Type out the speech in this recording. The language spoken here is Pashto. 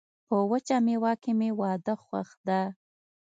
په وچه میوه کي مي واده خوښ ده.